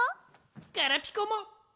ガラピコも！